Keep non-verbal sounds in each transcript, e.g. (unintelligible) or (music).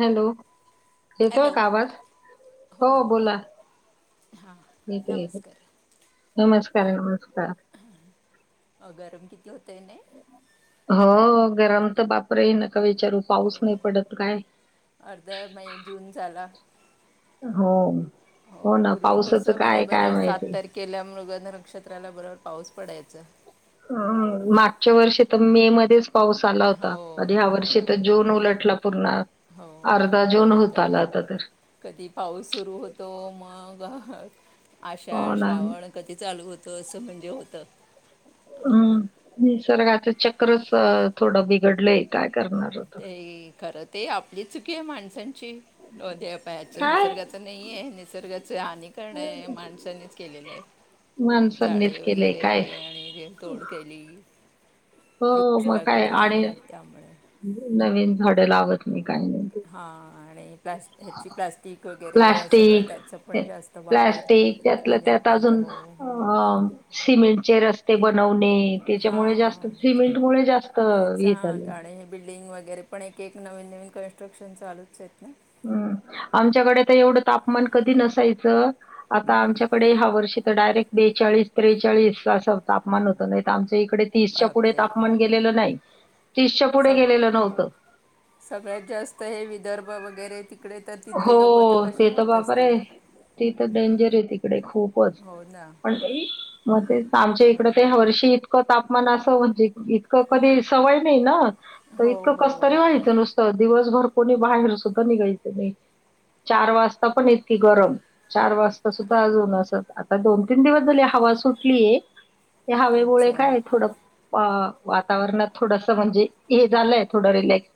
Hello. येतोय hello का आवाज हो बोला हां येतोय येतोय नमस्कार नमस् काय होय. अ गरम कित होतय नय. हो गरम तर बाप ये (unintelligible) न का विचारू पाऊस नाही पडत काय अर्धा म्हणजे जून झाला हो. हो ना पूर्वी कस पावसाचं काय बरोबर काय अ सात माहिती. तारखेला मृगन्र नक्षत्राला बरोबर पाऊस पडायचा. मागच्या वर्षी तर मे मध्येच पाऊस आला हो होता आणि ह्या हो वर्षी तर बरोबर जून उलटला पूर्ण हो अर्धा जून खरं होत तर आला होता तर कधी पाऊस सुरू होतो मग हयत. हो आषाढ ना श्रावण कधी चालू होत असं म्हणजे होत. हम्म. निसर्गाचं चक्रच थोडं बिघडलंय काय. करणार होतं ते करत ते आपली चुकी माणसां पा काय निसर्गाचा नाही निसर्गा हनी करण आहे माणसाांनीच केलेलं आहे माणसांनीच झाडे केलंय काय वगैरे आणि जे तोड केली हो मग ुजला काय गडणे आणि त्यामुळे नवीन झाडें लावत मी हा आणि प्लास् ह्याची प्लाॅस्टिक वगैरे सगळं प्लास्टिक त्याचं पण जास्त वापर प्लास्टिक अ त्यातलं त्यात नििर्बंध हो हो चे रस्ते बनवून आणि त्याच्यामुळे जास्त हां सिमेंट मुळे जास्त तेच हे हां झालं आणि हे बिल्डिंग वगैरे पण एक एक नवीन नवीन कन्स्ट्रक्शन चालूच आहेत ना हम्म आमच्याकडे तर एवढं तापमान कधी नसायचं आता आमच्याकडे ह्या वर्षी तर डायरेक्ट बेचाळीस त्रेचाळीस असं तापमान होत नाही आ इकडे तीसच्या पुढे तापमान गेलेलं नाही तीसच्या पुढे संग गेलेलं नव्हतं सगळ्यात जास्त हे विदर्भ वगैरे तिकडे तर तिथली लोक हो कशी ते तर राहत बापरे असतील ते तर डेंजर आहे तिकडे खूपच हो ना पण म ते आमच्या तर इकड ते हर्ष इतकं तापमान असं म्हणजे इतकं कधी सवय नाही ना तर हो इतं हो कस्तरी व्हायचं नुसतं दिवसभर कोणी बाहेर सुद्धा निघायच चार वाजता पण इतकी गरम चार वाजता सुद्धा अजून ऊन असेलं आता दोन तीन दिवस झाले हवा सुटलीय ते हवे गोळे अच्छा काय थोडं अ वातावरणात थोडस म्हणजे हे झालंय थोडं रिलॅक्स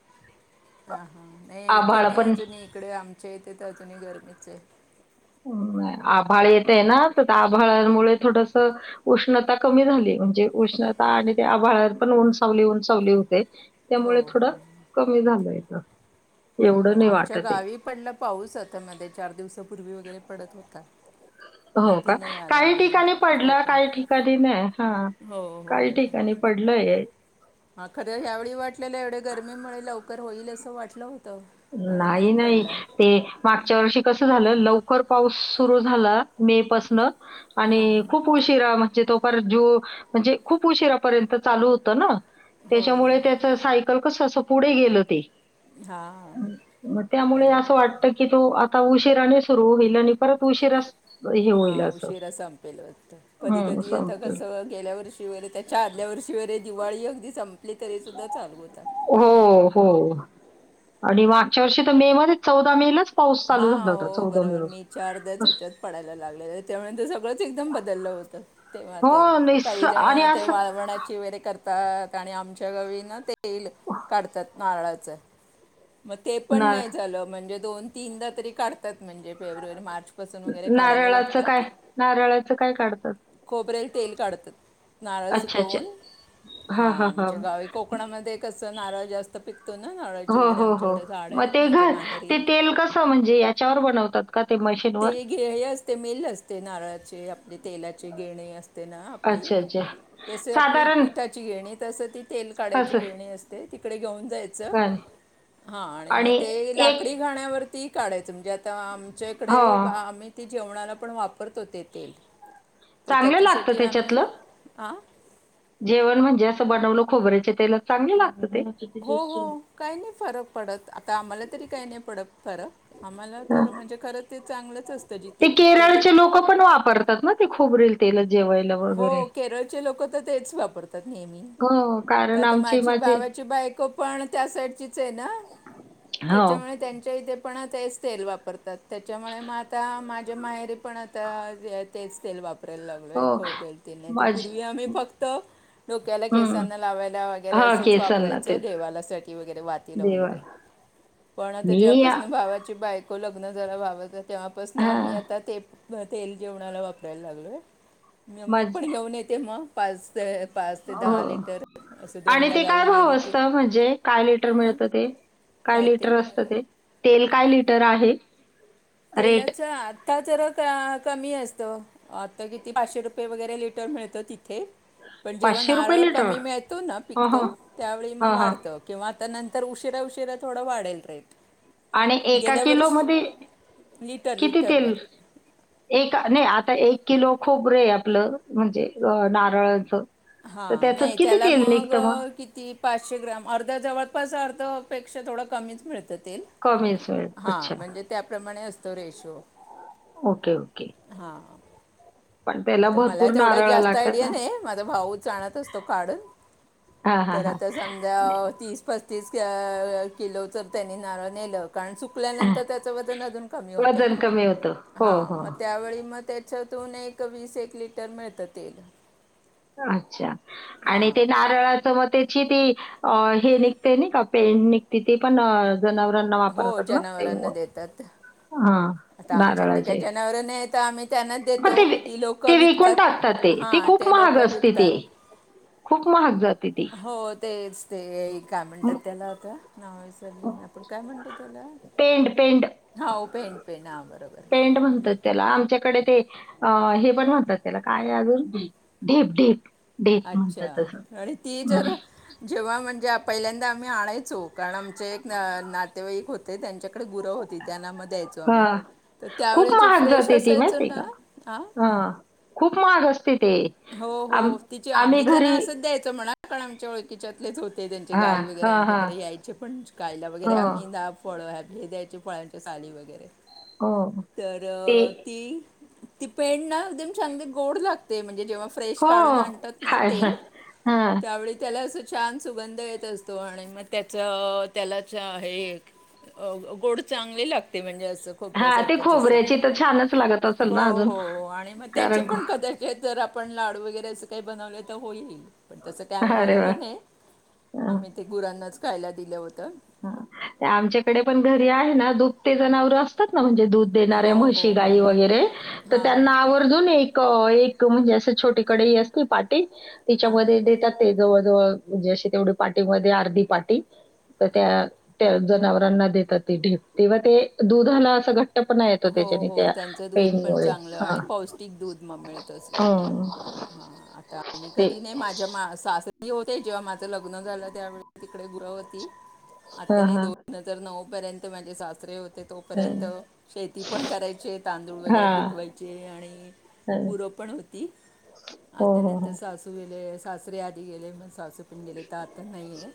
अ हा नाही इथे आभाळ नाही पण अजून इकडे आमच्या इथे तर अजूनही गरमीच आहे आभाळ येतंय ना तर त्या आभाळांमुळे थोडस उष्णता कमी झालीया म्हणजे उष्णता आणि त्या आभाळ पण ऊनसावली ऊनसावली होतेयं हो हो ते पण एवढं नाही आमच्या वाटत आहे. गावी पडला पाऊस आता मध्ये चार दिवसापूर्वी वगैरे पडत होतात हो का काही ठिकाणी पडला कोकण काही ठिकाणी नाही हा हो काही ठिकाणी पडलंय हा खरं ह्यावेळी वाटलेलं एवढ्या गर्मीमुळे लवकर होईल असं वाटलं होत नाही नाही ते मागच्या वर्षी कसं झालं लवकर खर पाऊस सुरू झाला मे पासन आणि हां खूप उशिरा म्हणजे तो पर जो म्हणजे खूप उशिरापर्यंत चालू होतं ना हो त्याच्यामुळे त्याचं सायकल कसं असं पुढे गेल ते हां म त्यामुळे असं वाटत बरोबर की तू आ उशिराने सुरू होईल आणि परत उशिरा स हा उशिरा संपेल वाटतं कधी हं, कधी येतं संपेल. कसं गेल्या वर्षी वगैरे त्याच्या आदल्या वर्षी वरे दिवाळी अगदी सं पली तरी सुद्धा चालू होता हो, हो. आणि मागच्या वर्षी तर मे मध्येच चौदा मे लाचं हा हा हो हो बरोबर मी च अर्ध्याच हच्यात पडायला लागलेलं त्यामुळे सगळंच एकदम बदललं होत तेव्हा हो, तर निस काही जण आणि ते असं वाळवणाची वगैरे कर तात आणि आमच्या गावी ना तेल काढतात नारळाचं म ते पण ना नाही झालं म्हणजे दोन तीनदा तरी काढतात म्हणजे फेब्रुवारी, मार्च बसून वगैरे काढायला नारळाचं काय? लागतात नारळाचं काय काढतात? खोबरे तेल काढतात, नरळ अच्छा, अच्छा. सुकवून, हा हां, हां, हां. आमच्या गावी कोकणामध्ये क च नारळ जास्त पिकतो ना नारळाची हो वगैरे हो हो आमच्याकडे झाडं मग आहेत ते घ म्हणजे माहेरी ते तेल कस म्हणजे याच्यावर बनवतात का ते मशीनवर? ते घे हे असते मील असते नारळाचे आपले तेलाचे घेणे असते ना आपली अच्छा, अच्छा. जसे आपली साधारण पिठाची घेणे तसं ती तेल काढायची असं घेणी असते ती इकडे घेऊन द्यायचं काय आणि मग ते लाकडी घाण्यावर ती काढायचं म्हणजे आता आम हो. कडे बा आम्ही ती जेवणाला पण वापरतो ते तेल तर चांगलं लागतं त्याच्यासाठी आम्ही त्याच्यातलं? आ जेवण म्हणजे असं बनवलं खोबऱ्याचे तेलत चांगल लाग हो हो काही नाही फरक पडत आता आम्हाला तरी काही नाही पडत फरक आम्हाला हां. तर म्हणजे खरं ते चांगलंच असतं जिथे ते पिकतं ते केरळचे लोकं पण वापरतात ना खोबरेल ते जेवायला हो वगैरे. केरळचे लोक तर तेच वापरतात नेहमी हो, ते कारण आता आमचे माझी माझे भावाची बायको पण त्या साईडचीच आहे ना हो, त्याच्यामुळे त्यांच्या इथे पण तेच तेल वापरतात. त्याच्यामुळे म आता मा माझ्या माहेरी पण आता जे आहे तेच तेल वाप (unintelligible) हो हो. प्रेलतील नाही तर माझे पूर्वी आम्ही फक्त डोक्याला हं. केसांना लावायला वगैरे हा असंच केसांना वापरायचो तेच देवालासाठी वगैरे वातलं देवा वगैरे पण आता मी जेव्हापासून भावाची बायक लग्न जरा व्हावं तेव्हापासून हा आम्ही आता ते म तेल जेवणाला वापरायला लागलोय म ते पाच ते हो दहा लिटर असं आणि दोनदा ते काय गावी भाव गेले की असत म्हणजे काय लिटर मिळत ते काय लिटर असत ते तेल काय लि र आहे रेट तेलाच्या आता जर कमी असतं आता किती पाचशे रुपये वगैरे लिटर मिळतं तिथ ते पण जेव्हा पाचशे रुपये नारळ लिटर कमी मिळतो ना हा हा पिकतो त्यावेळी मग हा हा वाढतं किंवा त्या नंतर उशिरा उशिरा थोडं वाढेल रेट आणि एका गेल्या किलो वर्ष मध्ये लिटर कितीतील लिटरवर एक नाही आत एक किलो खोबरे आपलं म्हणजे नारळाचं तर हा त्याच्यात नाही किती त्याला तेल मग निघतं किती पाचशे ग्राम अर्धा जवळपास अर्ध पेक्षा कमीच मिळतात कमीच वेळ हा अच्छा म्हणजे त्याप्रमाणे असतंय तो रेषो ओके ओके पण त्याला आता मला भरपूर तेवढं नारळ जास्त लागतात आयडिया ना नाही माझा भाऊच आणत असतो काढून हा तर हा आता समजा तीस पस्तीस तीस क किलोच त्यांनी नारळ नेलं कारण हा सुकल्यानंतर त्याचं वजन अजून कमी होतं ना वजन कमी होतं. हो, हां मग हो. त्यावेळी मग ते त्याच्यातूून एक ते वीस एक लिटर मिळतं तेल अच्छा आणि हां ते नारळाच मग ते ती हे निघते का पेंट निघते ती पण जनावरांना हो वापरतात ना ते जनावरांना देतात हा आता आमच्याकडे काय जनावर नाही त्यामध्ये मग ते ते विकून टाकतात ते ते हां खूप महाग लोक असते ते विकतात खूप महाग जात हो तेच ते काय म्हणतात म त्याला आता नाव विसरली आपण काय म्हणतो त्याला पेंड पेंड हओ पेंन पेंन हा बरोबर पेंड म्हणतात त्याला. ते आमच्याकडे हे पण म्हणतात त्याला काय अजून ढीप ढीप अच्छा आणि ती जर जेव्हा म्हणजे पहिल्यांदा आणायचो कारण आमचे एक नातेवाईक होते ते त्यांच्या गुर होती त्यांना मग द्यायचो आम्ही हां. तर खूप त्यावेळी जे महाग फ्रेश जाते ती असायचो माहिती आहे का? ना हा हां. खूप महाग असते ते. हो हो आम तिचे आम्ही त्यांना घरी असंच द्यायच म्हणा आमच्या ओळखीच्यातलेच होते त्यांचे हां, गाय वगैरे हां, हां. आमच्याकडे यायचे पण गायला वगैरे हो, आम्ही डाळ पोळ्या हे द्यायची फळांच्या साली वगैरे हो. तर ते ती ती पेड नती एकदम चांगले गोड लागते ते म्हणेव्हा फ्रेश हो. काढून आणतात ना ते खायला. हां. त्यावे त्या छान सुगंध येत असतो आणि मग त्याचा त्याला हे गोड चांगले लागते म्हणजे अस खपऱ्या हां, सार ते खोबऱ्याची तर छानच लागत असेल ना अजून हो आणि मग त्याचे कारण पण कदाचित जर आपण लाडू वगैरे असं काही बनवले तर होईल पण तसं काय आम्ही अरे वाह! बनवलं नाही हां. आम्ही ते गुरांनाच कायला दिलं होतं आमच्याकडे पण घरी आहे ना दुप ते जनावर असतात ना म्हणजे दूध देणारे हो म्हशी हो हो गाई वगैरे तर हां त्यांना आवर्जून एक एक म्हणजे असं छोटीकडे असतील पा हां तिच्यामध्ये देतात ते जवळ जवळ म्हणजे अशी तेवढी पार्टी मध्ये अर्धी पार्टी तर त्या त्या जनावरांना देतात त ढिप तेव्हा ते दुधाला असं घट हो हो त्यांच दूध पण चांगलं हां. आणि पौष्टिक दूध म मिळत हो. आताही ते. कधी नाही माझ्या मा मी होते जेव्हा माझं लग्न झालं त्यावेळी तिकडे गुर होती आता हां, नाही हां. दोन हजार नऊ पर्यंत माझे शास्रे हो ते तोपर्यंत हं. शेती पण करायचे तांदूळ वगैरे हां. पिकवायचे आणि हं. गुरं पण होती हो, हो, आतानंतर हो. सासू व सासर आध गेले मग स ण गेले तर आता नाहीय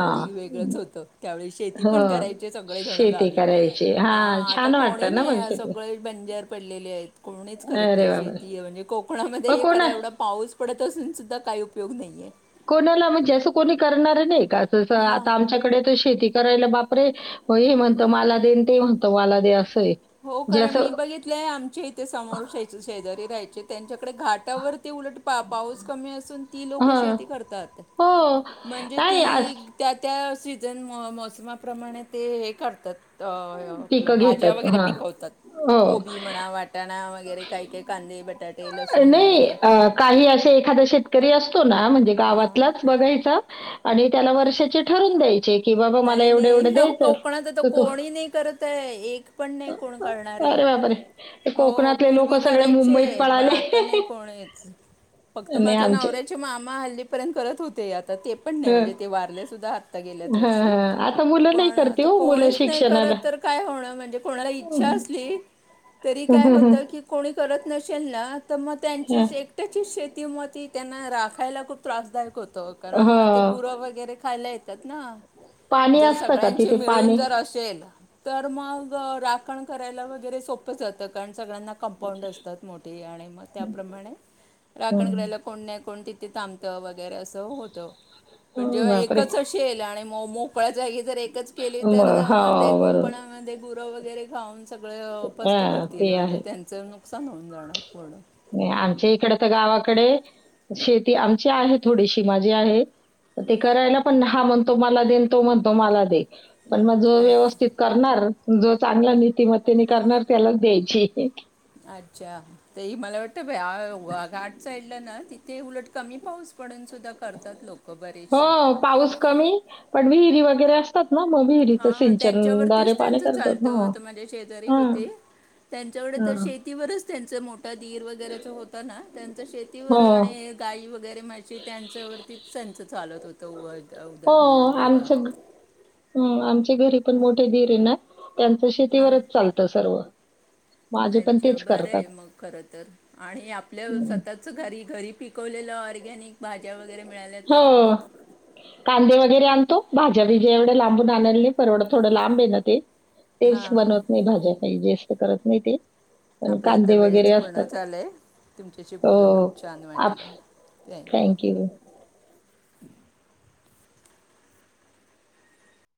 हां. वेगळंच होत त्यावेळी शेती पण हो. करायची सगळे जण शेती गावी करायची. हां आता छान कोणी वाटतं ना पण नाही शेती. सगळे बंजर पडलेले आहेत कोणीच करत अरे नाही वाह! वाह! शेती म्हणजे कोकणामध्ये मग हे कोणा खरां एवढा पाऊस पडत असूनसुद्धा काही उपयोग नाही आहे. कोणाला म्हणजे असं कोणी करणा र नई का जसं हां आता आमच्याकडे तर शेती करायला बापरे हे म्हणत मला देन ते म्हणत मला दे अस हो कारण मी बघितलेय आमच्या इथे समोर शेच शेजारी राहायचे. त्यांच्या कडे घाटावरती उलट पा पाऊस कमी असून ती लोक हां. शेती करतात हो. म्हणजे नाही अस ती त्या त्या सीजन मोसमा प्रमाणे ते हे करतात. अ आपलं पिकं भाज्या घेतात. वगैरे हां. पिकवतात हो. कोबी म्हणा वाटाणा वगैरे काही काही कांदे बटाटे लसूण नाही वगैरे अ, काही असे एखादा शेतकरी असतो म्हणजे हां गावातच बघायचा आणि त्याला वर्षाचे ठरून द्यायचे कि बाबा मला नाही एवढं एवढं नाही अहो, द्यायचं कोकणात आता तर तू कोणी नाही करत आहे एक पण नाही कोण करणारे अरे बापरे! ते हो कोकणातले पूर्वी लोकं सगळे मुंबईत करायचे, पण पळाले. आता नाही कोणीच फक्त नाही माझ्या आमचे नवऱ्याचे मामा हल्लीपर्यंत करत होते आता ते पण नाही हं, म्हणजे ते वारले सुद्धा आत्ता गेल्याच हां, वर्षी हां. आता मुलं नाही पण करती आता हो मुलं कोणीच नाही शिक्षणाला. करत तर काय होण म्हणजे कोणाला इच्छा हं. असली तरी हं, काय हं, होत हं. की कोणी करत नसेल न त्यात तर मग हं. त्यांचीच एकट्याची शेत ती म ती त्यांना राखायला खूप त्रासदायक होत कारण हो. मग ते गुरं वगैरे खायला येत तत ना पाणी जर असतं का सगळ्यांशी तिथे मिळून पाणी? जर असेल तर मग रात ण कराय वगैरे सोपं जात त काण सगळ्यांना कंपाउंड असतात मोठी आणि मग त्याप्रमाणे राखण हं. करायला कोण नाही कोण ती ते थांबतं वगैरे असं होतं. पण जेव्हा बापरे! एकच असे येल आणि मोकळ्या जागी जर एकच केली तर मग म ते हो, बरोबर. कुंपणामध्ये गुरं वगैरे खाऊन सगळं फस हां, हरतीली ते म्हणजे आहे. त्यांच नुकस नुकसान होऊन जाणार पूर्ण आमच्या इकडे तर गावाकडे शेती आमची आहे थोडीशी माझी आहे ते करायला पण हा म्हणतो मला देन तो म्हणतो मला दे पण मग जो अच्छा व्यवस्थित करणार जो चांगला नीतीिमत्तेने करणार त्यालाच द्यायची अच्छा ते मला वाटतं घाट साईडला ना तिथे उलट कमी पाऊस पडून सुद्धा करतात लोक बरेचसे हो पाऊस कमी पण विहिरीमध्ये वगै असतात ना मग विहिरीचं हा सिंचनद्वारे त्यांच्यावरतीच पाणी त्यांच करतात हो चालत माझे शेजारी हां, होते त्यांच्याक तर हां. शेतीवरच त्यांच मोठा ीर वगैरे होता ना त्यांच शेतीवर हो आणि गाई वगैरे मा त्यांच्यावरती त्यांच चालत होत उदरनिर्वाह हम आमचे घरी पण मोठे धीरे ना त्यांच हां शेतीवरच चालतं सर्व माझे पण अच्छा तेच बरं करतात आहे मग खर तर आणि आपल्या हं. स्वतःच घरी घरी पिक ले ऑर्गॅनिक भाज्या वगैरे मिळाल्या हो तर कांदे वगैरे आणतो भाझ्या विीजे एवढ्या लांबून आणलेला नाही परवढं थोडं लांब आहे ना ते तेच हां बनवत नाही भाज्यापाई जे करत नाही ते पण आपल्या आता कांदे वगैरे वेळच पूर्ण असतात चालंय तुमच्याशी बोलून हो खूप छान आप वाटलं थँक्यू